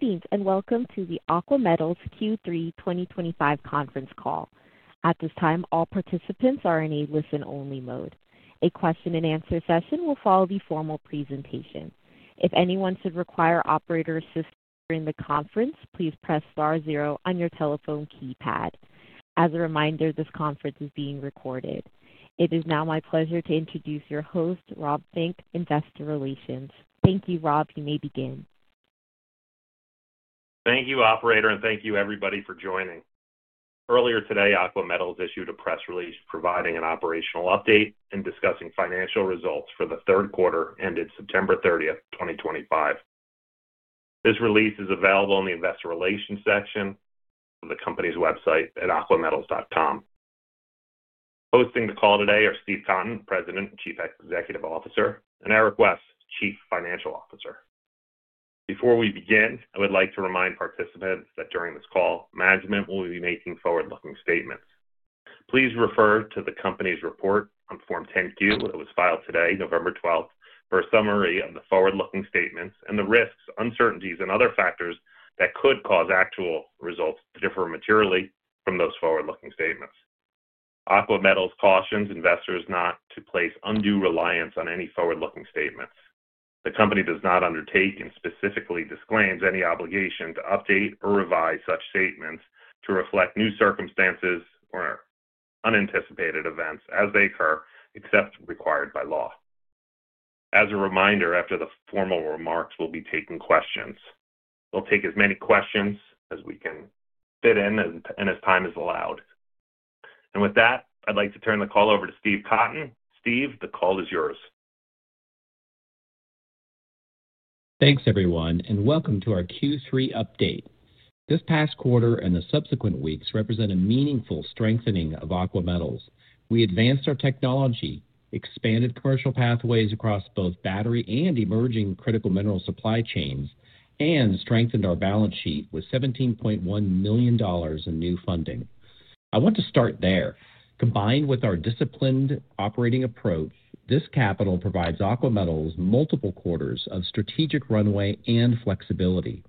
Greetings and welcome to the Aqua Metals Q3 2025 conference call. At this time, all participants are in a listen-only mode. A question-and-answer session will follow the formal presentation. If anyone should require operator assistance during the conference, please press star zero on your telephone keypad. As a reminder, this conference is being recorded. It is now my pleasure to introduce your host, Rob Fink, Investor Relations. Thank you, Rob. You may begin. Thank you, Operator, and thank you, everybody, for joining. Earlier today, Aqua Metals issued a press release providing an operational update and discussing financial results for the third quarter ended September 30, 2025. This release is available in the Investor Relations section of the company's website at aquametals.com. Hosting the call today are Steve Cotton, President and Chief Executive Officer, and Eric West, Chief Financial Officer. Before we begin, I would like to remind participants that during this call, management will be making forward-looking statements. Please refer to the company's report on Form 10-Q that was filed today, November 12, for a summary of the forward-looking statements and the risks, uncertainties, and other factors that could cause actual results to differ materially from those forward-looking statements. Aqua Metals cautions investors not to place undue reliance on any forward-looking statements. The company does not undertake and specifically disclaims any obligation to update or revise such statements to reflect new circumstances or unanticipated events as they occur, except as required by law. As a reminder, after the formal remarks, we'll be taking questions. We'll take as many questions as we can fit in and as time is allowed. With that, I'd like to turn the call over to Steve Cotton. Steve, the call is yours. Thanks, everyone, and welcome to our Q3 update. This past quarter and the subsequent weeks represent a meaningful strengthening of Aqua Metals. We advanced our technology, expanded commercial pathways across both battery and emerging critical mineral supply chains, and strengthened our balance sheet with $17.1 million in new funding. I want to start there. Combined with our disciplined operating approach, this capital provides Aqua Metals multiple quarters of strategic runway and flexibility.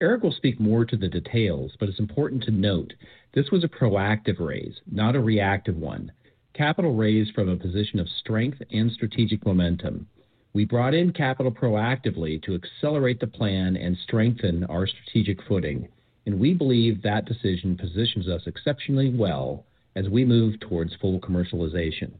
Eric will speak more to the details, but it's important to note this was a proactive raise, not a reactive one. Capital raised from a position of strength and strategic momentum. We brought in capital proactively to accelerate the plan and strengthen our strategic footing, and we believe that decision positions us exceptionally well as we move towards full commercialization.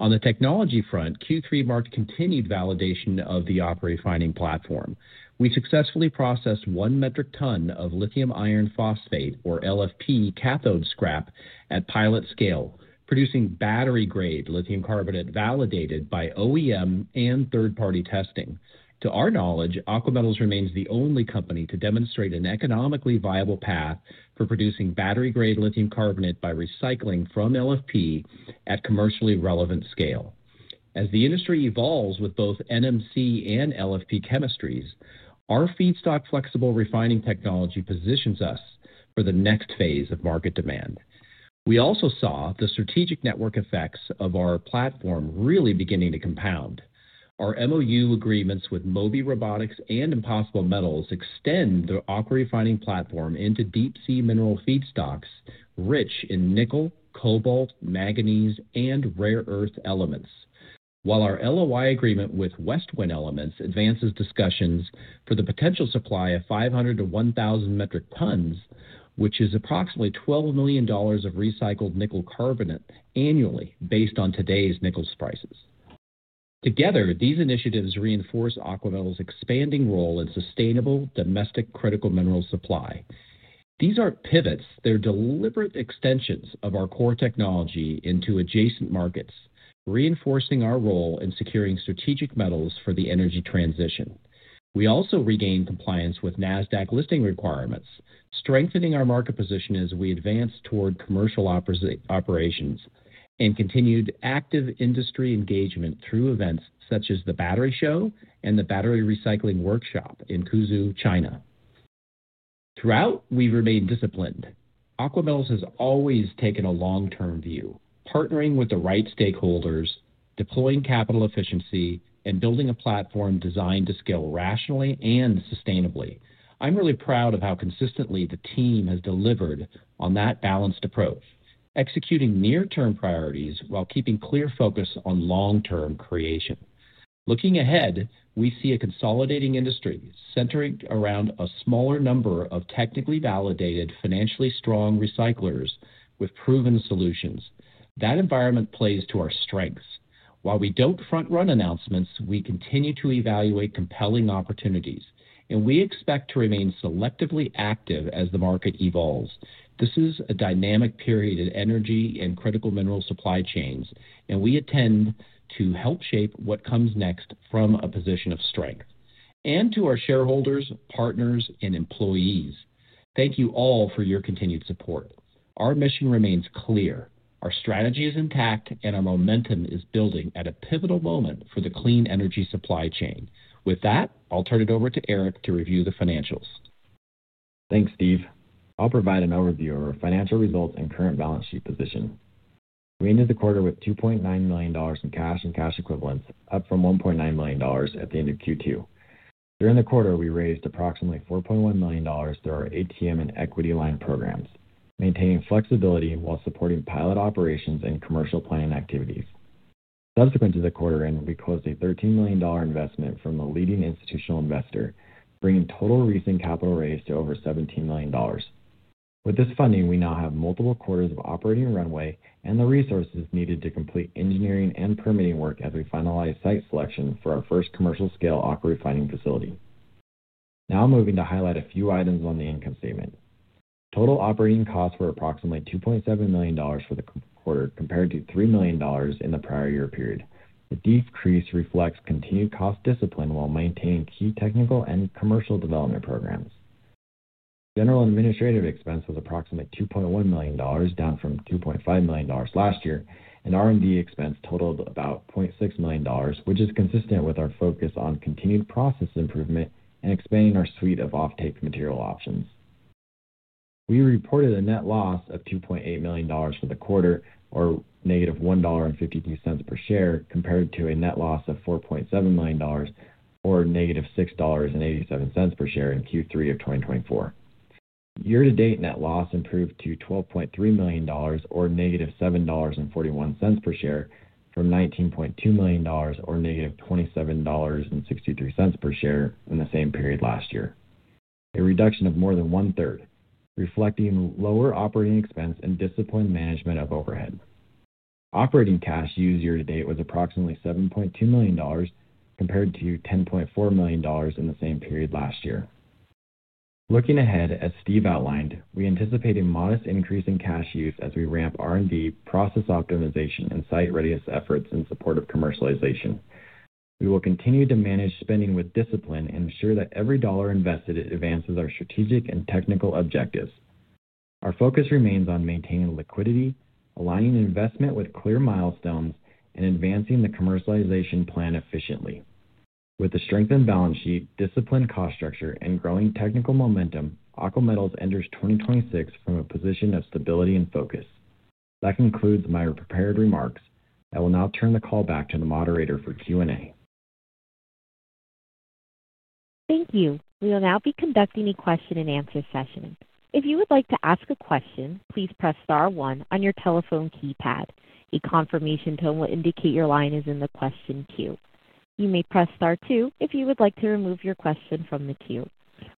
On the technology front, Q3 marked continued validation of the operating finding platform. We successfully processed one metric ton of lithium iron phosphate, or LFP, cathode scrap at pilot scale, producing battery-grade lithium carbonate validated by OEM and third-party testing. To our knowledge, Aqua Metals remains the only company to demonstrate an economically viable path for producing battery-grade lithium carbonate by recycling from LFP at commercially relevant scale. As the industry evolves with both NMC and LFP chemistries, our feedstock flexible refining technology positions us for the next phase of market demand. We also saw the strategic network effects of our platform really beginning to compound. Our MOU agreements with Mobi Robotics and Impossible Metals extend the AquaRefining platform into deep-sea mineral feedstocks rich in nickel, cobalt, manganese, and rare earth elements, while our LOI agreement with Westwind Elements advances discussions for the potential supply of 500 metric tons-1,000 metric tons, which is approximately $12 million of recycled nickel carbonate annually based on today's nickel prices. Together, these initiatives reinforce Aqua Metals' expanding role in sustainable domestic critical mineral supply. These aren't pivots; they're deliberate extensions of our core technology into adjacent markets, reinforcing our role in securing strategic metals for the energy transition. We also regained compliance with NASDAQ listing requirements, strengthening our market position as we advance toward commercial operations and continued active industry engagement through events such as the Battery Show and the Battery Recycling Workshop in Quzhou, China. Throughout, we've remained disciplined. Aqua Metals has always taken a long-term view, partnering with the right stakeholders, deploying capital efficiency, and building a platform designed to scale rationally and sustainably. I'm really proud of how consistently the team has delivered on that balanced approach, executing near-term priorities while keeping clear focus on long-term creation. Looking ahead, we see a consolidating industry centering around a smaller number of technically validated, financially strong recyclers with proven solutions. That environment plays to our strengths. While we don't front-run announcements, we continue to evaluate compelling opportunities, and we expect to remain selectively active as the market evolves. This is a dynamic period in energy and critical mineral supply chains, and we intend to help shape what comes next from a position of strength. To our shareholders, partners, and employees, thank you all for your continued support. Our mission remains clear. Our strategy is intact, and our momentum is building at a pivotal moment for the clean energy supply chain. With that, I'll turn it over to Eric to review the financials. Thanks, Steve. I'll provide an overview of our financial results and current balance sheet position. We ended the quarter with $2.9 million in cash and cash equivalents, up from $1.9 million at the end of Q2. During the quarter, we raised approximately $4.1 million through our ATM and equity line programs, maintaining flexibility while supporting pilot operations and commercial planning activities. Subsequent to the quarter-end, we closed a $13 million investment from a leading institutional investor, bringing total recent capital raised to over $17 million. With this funding, we now have multiple quarters of operating runway and the resources needed to complete engineering and permitting work as we finalize site selection for our first commercial-scale AquaRefining facility. Now I'm moving to highlight a few items on the income statement. Total operating costs were approximately $2.7 million for the quarter, compared to $3 million in the prior year period. The decrease reflects continued cost discipline while maintaining key technical and commercial development programs. General administrative expense was approximately $2.1 million, down from $2.5 million last year, and R&D expense totaled about $0.6 million, which is consistent with our focus on continued process improvement and expanding our suite of off-take material options. We reported a net loss of $2.8 million for the quarter, or negative $1.52 per share, compared to a net loss of $4.7 million or negative $6.87 per share in Q3 of 2024. Year-to-date net loss improved to $12.3 million or negative $7.41 per share from $19.2 million or negative $27.63 per share in the same period last year, a reduction of more than one-third, reflecting lower operating expense and disciplined management of overhead. Operating cash used year-to-date was approximately $7.2 million, compared to $10.4 million in the same period last year. Looking ahead, as Steve outlined, we anticipate a modest increase in cash use as we ramp R&D, process optimization, and site readiness efforts in support of commercialization. We will continue to manage spending with discipline and ensure that every dollar invested advances our strategic and technical objectives. Our focus remains on maintaining liquidity, aligning investment with clear milestones, and advancing the commercialization plan efficiently. With a strengthened balance sheet, disciplined cost structure, and growing technical momentum, Aqua Metals enters 2026 from a position of stability and focus. That concludes my prepared remarks. I will now turn the call back to the Moderator for Q&A. Thank you. We will now be conducting a question-and-answer session. If you would like to ask a question, please press star one on your telephone keypad. A confirmation tone will indicate your line is in the question queue. You may press star two if you would like to remove your question from the queue.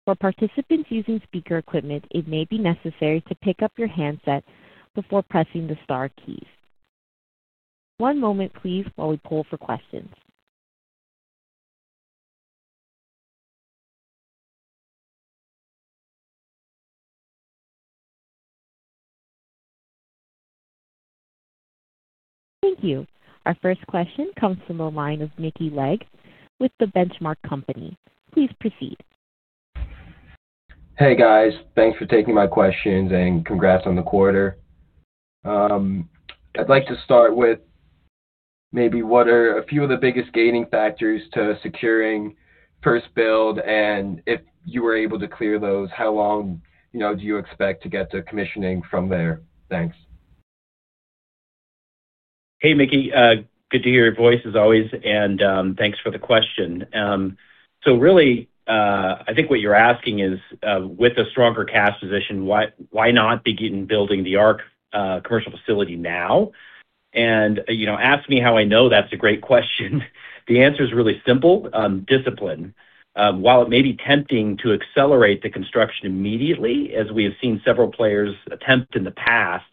For participants using speaker equipment, it may be necessary to pick up your handset before pressing the star keys. One moment, please, while we pull for questions. Thank you. Our first question comes from the line of Mickey Legg with the Benchmark Company. Please proceed. Hey, guys. Thanks for taking my questions and congrats on the quarter. I'd like to start with maybe what are a few of the biggest gating factors to securing first build, and if you were able to clear those, how long do you expect to get to commissioning from there? Thanks. Hey, Mickey. Good to hear your voice, as always, and thanks for the question. Really, I think what you're asking is, with a stronger cash position, why not begin building the ARC commercial facility now? Ask me how I know that's a great question. The answer is really simple: discipline. While it may be tempting to accelerate the construction immediately, as we have seen several players attempt in the past,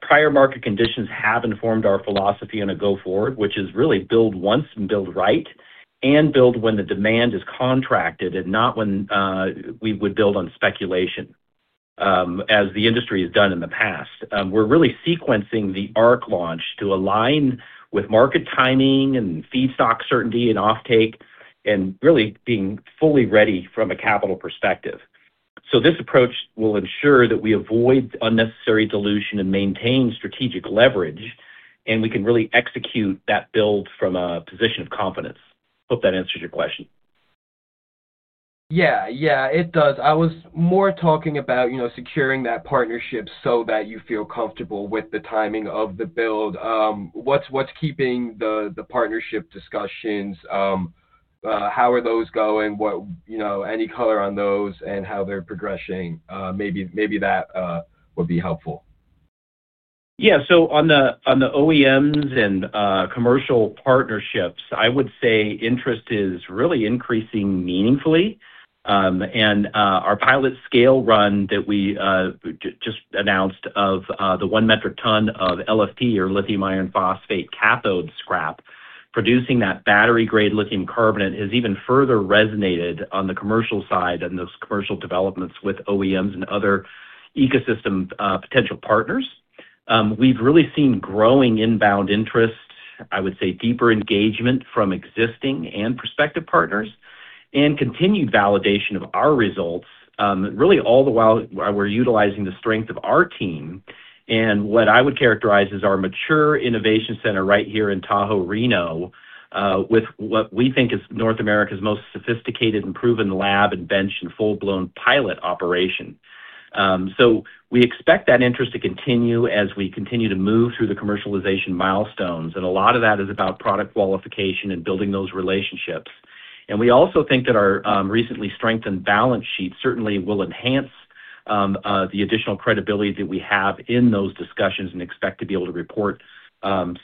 prior market conditions have informed our philosophy on a go-forward, which is really build once and build right, and build when the demand is contracted and not when we would build on speculation, as the industry has done in the past. We're really sequencing the ARC launch to align with market timing and feedstock certainty and off-take and really being fully ready from a capital perspective. This approach will ensure that we avoid unnecessary dilution and maintain strategic leverage, and we can really execute that build from a position of confidence. Hope that answers your question. Yeah, yeah, it does. I was more talking about securing that partnership so that you feel comfortable with the timing of the build. What's keeping the partnership discussions? How are those going? Any color on those and how they're progressing? Maybe that would be helpful. Yeah. On the OEMs and commercial partnerships, I would say interest is really increasing meaningfully. Our pilot scale run that we just announced of the one metric ton of LFP, or lithium iron phosphate cathode scrap, producing that battery-grade lithium carbonate has even further resonated on the commercial side and those commercial developments with OEMs and other ecosystem potential partners. We've really seen growing inbound interest, I would say deeper engagement from existing and prospective partners, and continued validation of our results, really all the while we're utilizing the strength of our team. What I would characterize as our mature innovation center right here in Tahoe, Reno, with what we think is North America's most sophisticated and proven lab and bench and full-blown pilot operation. We expect that interest to continue as we continue to move through the commercialization milestones. A lot of that is about product qualification and building those relationships. We also think that our recently strengthened balance sheet certainly will enhance the additional credibility that we have in those discussions and expect to be able to report some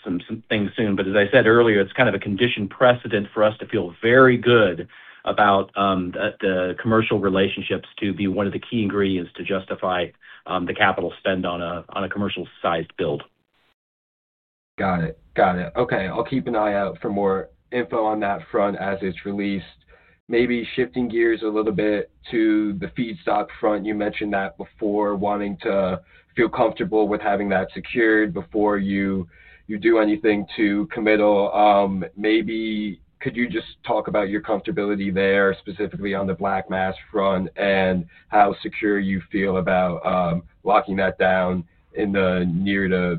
things soon. As I said earlier, it is kind of a conditioned precedent for us to feel very good about the commercial relationships to be one of the key ingredients to justify the capital spend on a commercial-sized build. Got it. Okay. I'll keep an eye out for more info on that front as it's released. Maybe shifting gears a little bit to the feedstock front. You mentioned that before, wanting to feel comfortable with having that secured before you do anything too committal. Maybe could you just talk about your comfortability there, specifically on the black mass front, and how secure you feel about locking that down in the near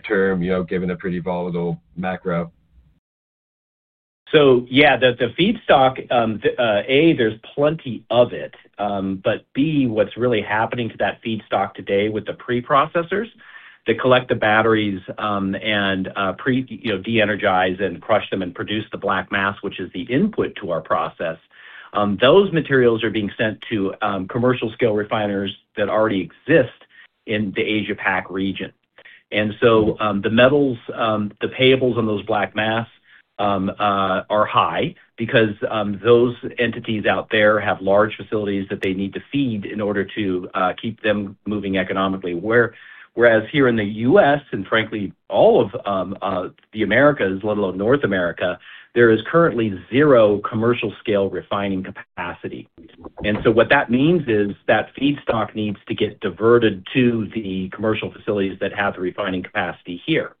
term, given a pretty volatile macro? Yeah, the feedstock, A, there's plenty of it, but B, what's really happening to that feedstock today with the preprocessors that collect the batteries and de-energize and crush them and produce the black mass, which is the input to our process, those materials are being sent to commercial-scale refiners that already exist in the Asia-Pac region. The payables on those black mass are high because those entities out there have large facilities that they need to feed in order to keep them moving economically. Whereas here in the U.S., and frankly, all of the Americas, let alone North America, there is currently zero commercial-scale refining capacity. What that means is that feedstock needs to get diverted to the commercial facilities that have the refining capacity here.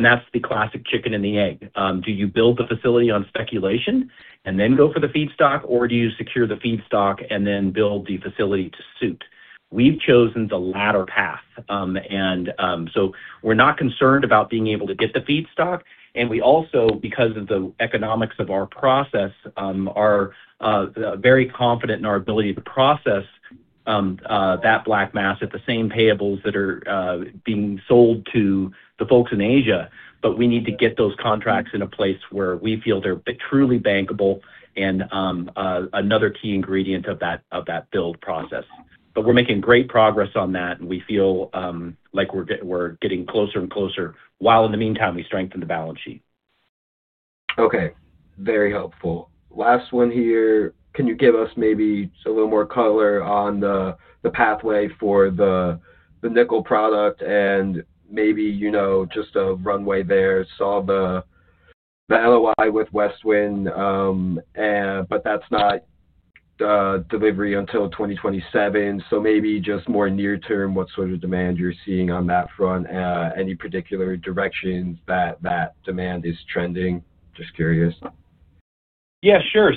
That's the classic chicken and the egg. Do you build the facility on speculation and then go for the feedstock, or do you secure the feedstock and then build the facility to suit? We've chosen the latter path. We're not concerned about being able to get the feedstock. We also, because of the economics of our process, are very confident in our ability to process that black mass at the same payables that are being sold to the folks in Asia. We need to get those contracts in a place where we feel they're truly bankable and another key ingredient of that build process. We're making great progress on that, and we feel like we're getting closer and closer while in the meantime we strengthen the balance sheet. Okay. Very helpful. Last one here. Can you give us maybe a little more color on the pathway for the nickel product and maybe just a runway there? Saw the LOI with Westwind, but that's not delivery until 2027. Maybe just more near-term, what sort of demand you're seeing on that front? Any particular directions that that demand is trending? Just curious. Yeah, sure.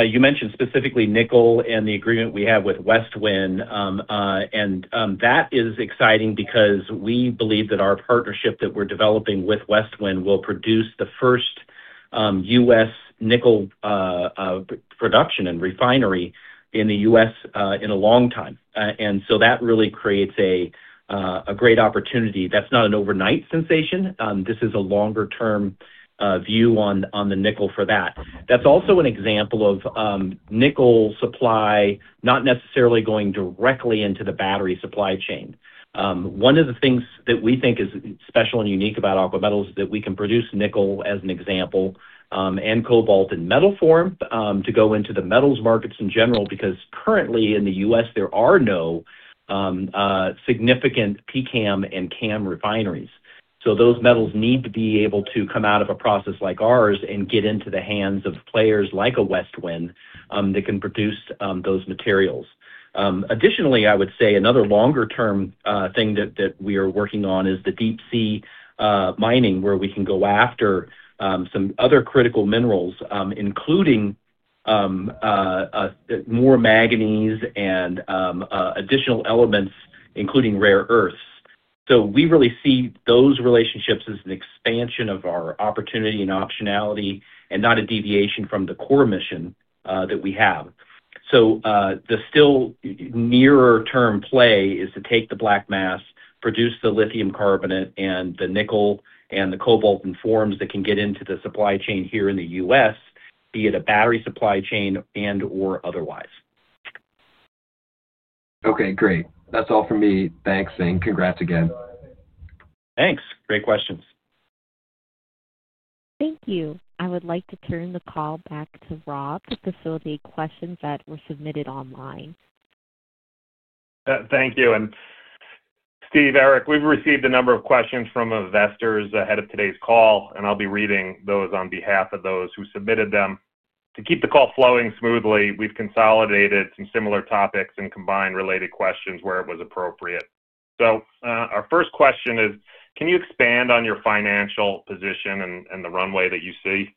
You mentioned specifically nickel and the agreement we have with Westwind. That is exciting because we believe that our partnership that we're developing with Westwind will produce the first U.S. nickel production and refinery in the U.S. in a long time. That really creates a great opportunity. That's not an overnight sensation. This is a longer-term view on the nickel for that. That's also an example of nickel supply not necessarily going directly into the battery supply chain. One of the things that we think is special and unique about Aqua Metals is that we can produce nickel, as an example, and cobalt in metal form to go into the metals markets in general because currently in the U.S., there are no significant PCAM and CAM refineries. Those metals need to be able to come out of a process like ours and get into the hands of players like Westwind that can produce those materials. Additionally, I would say another longer-term thing that we are working on is the deep-sea mining where we can go after some other critical minerals, including more manganese and additional elements, including rare earths. We really see those relationships as an expansion of our opportunity and optionality and not a deviation from the core mission that we have. The still nearer-term play is to take the black mass, produce the lithium carbonate and the nickel and the cobalt in forms that can get into the supply chain here in the U.S., be it a battery supply chain and/or otherwise. Okay. Great. That's all for me. Thanks, and congrats again. Thanks. Great questions. Thank you. I would like to turn the call back to Rob to facilitate questions that were submitted online. Thank you. Steve, Eric, we've received a number of questions from investors ahead of today's call, and I'll be reading those on behalf of those who submitted them. To keep the call flowing smoothly, we've consolidated some similar topics and combined related questions where it was appropriate. Our first question is, can you expand on your financial position and the runway that you see?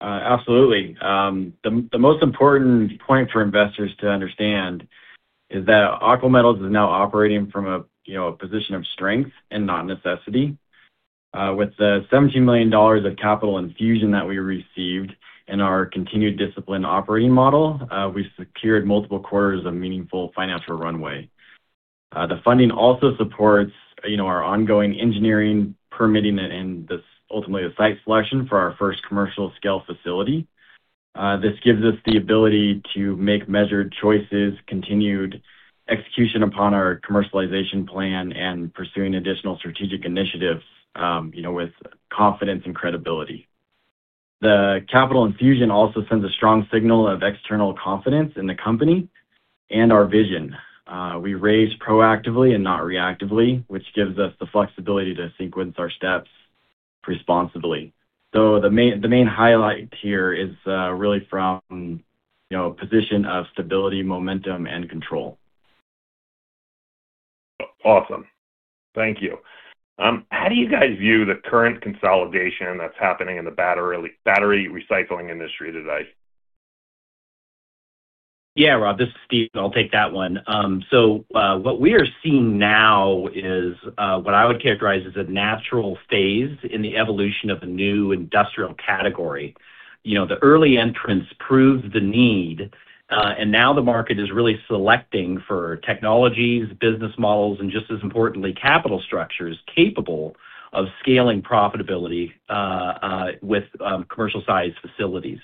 Absolutely. The most important point for investors to understand is that Aqua Metals is now operating from a position of strength and not necessity. With the $17 million of capital infusion that we received in our continued discipline operating model, we secured multiple quarters of meaningful financial runway. The funding also supports our ongoing engineering, permitting, and ultimately the site selection for our first commercial-scale facility. This gives us the ability to make measured choices, continued execution upon our commercialization plan, and pursuing additional strategic initiatives with confidence and credibility. The capital infusion also sends a strong signal of external confidence in the company and our vision. We raise proactively and not reactively, which gives us the flexibility to sequence our steps responsibly. The main highlight here is really from a position of stability, momentum, and control. Awesome. Thank you. How do you guys view the current consolidation that's happening in the battery recycling industry today? Yeah, Rob, this is Steve. I'll take that one. What we are seeing now is what I would characterize as a natural phase in the evolution of a new industrial category. The early entrance proved the need, and now the market is really selecting for technologies, business models, and just as importantly, capital structures capable of scaling profitability with commercial-sized facilities.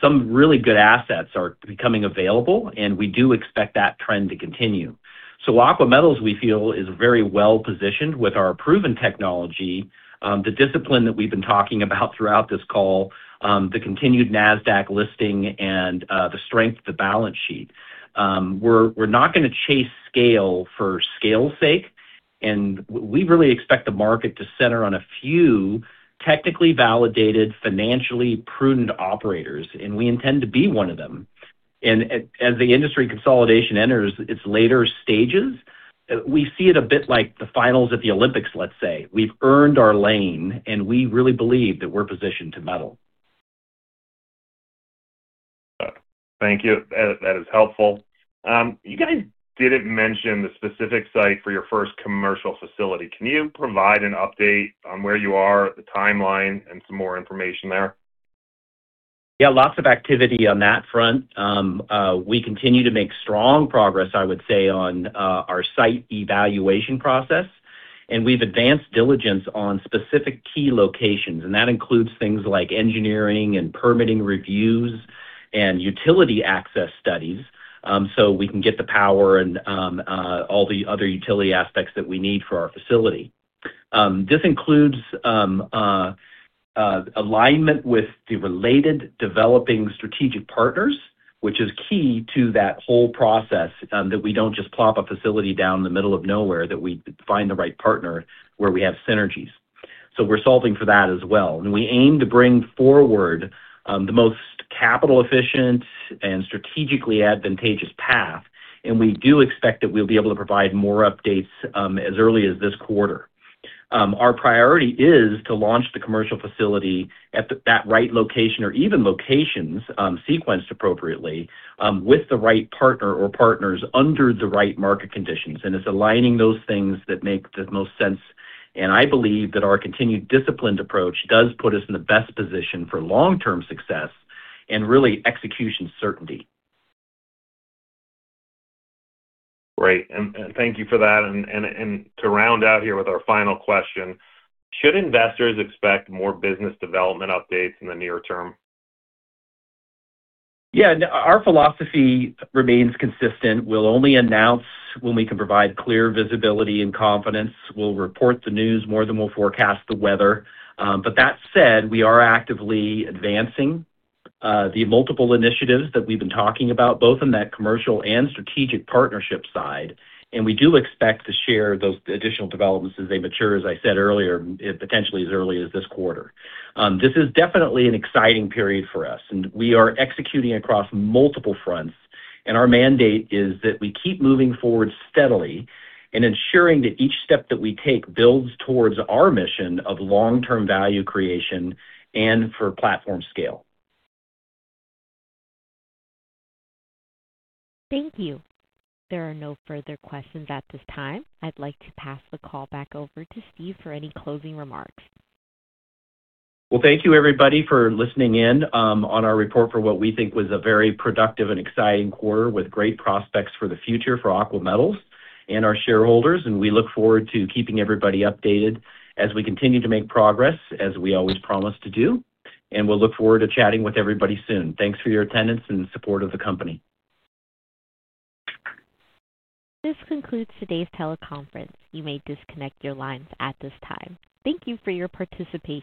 Some really good assets are becoming available, and we do expect that trend to continue. Aqua Metals, we feel, is very well positioned with our proven technology, the discipline that we've been talking about throughout this call, the continued NASDAQ listing, and the strength of the balance sheet. We're not going to chase scale for scale's sake, and we really expect the market to center on a few technically validated, financially prudent operators, and we intend to be one of them. As the industry consolidation enters its later stages, we see it a bit like the finals at the Olympics, let's say. We've earned our lane, and we really believe that we're positioned to medal. Thank you. That is helpful. You guys didn't mention the specific site for your first commercial facility. Can you provide an update on where you are, the timeline, and some more information there? Yeah, lots of activity on that front. We continue to make strong progress, I would say, on our site evaluation process, and we've advanced diligence on specific key locations. That includes things like engineering and permitting reviews and utility access studies so we can get the power and all the other utility aspects that we need for our facility. This includes alignment with the related developing strategic partners, which is key to that whole process that we don't just plop a facility down in the middle of nowhere, that we find the right partner where we have synergies. We're solving for that as well. We aim to bring forward the most capital-efficient and strategically advantageous path, and we do expect that we'll be able to provide more updates as early as this quarter. Our priority is to launch the commercial facility at that right location or even locations sequenced appropriately with the right partner or partners under the right market conditions. It is aligning those things that make the most sense. I believe that our continued disciplined approach does put us in the best position for long-term success and really execution certainty. Great. Thank you for that. To round out here with our final question, should investors expect more business development updates in the near term? Yeah. Our philosophy remains consistent. We'll only announce when we can provide clear visibility and confidence. We'll report the news more than we'll forecast the weather. That said, we are actively advancing the multiple initiatives that we've been talking about, both in that commercial and strategic partnership side. We do expect to share those additional developments as they mature, as I said earlier, potentially as early as this quarter. This is definitely an exciting period for us, and we are executing across multiple fronts. Our mandate is that we keep moving forward steadily and ensuring that each step that we take builds towards our mission of long-term value creation and for platform scale. Thank you. There are no further questions at this time. I'd like to pass the call back over to Steve for any closing remarks. Thank you, everybody, for listening in on our report for what we think was a very productive and exciting quarter with great prospects for the future for Aqua Metals and our shareholders. We look forward to keeping everybody updated as we continue to make progress, as we always promise to do. We'll look forward to chatting with everybody soon. Thanks for your attendance and support of the company. This concludes today's teleconference. You may disconnect your lines at this time. Thank you for your participation.